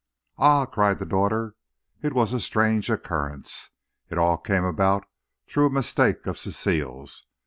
"Ah," cried the daughter, "it was a strange occurrence. It all came about through a mistake of Cecile's.